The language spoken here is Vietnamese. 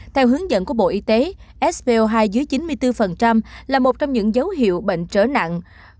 theo hướng dẫn của bộ y tế sbo hai dưới chín mươi bốn là một trong những dấu hiệu bệnh trở nặng